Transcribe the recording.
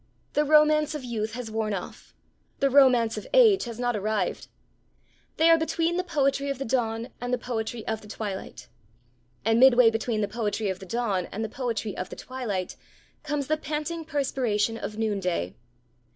The romance of youth has worn off; the romance of age has not arrived. They are between the poetry of the dawn and the poetry of the twilight. And midway between the poetry of the dawn and the poetry of the twilight comes the panting perspiration of noonday.